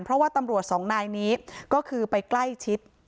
เพราะว่าตำรวจสองนายนี้ก็คือไปใกล้ชิด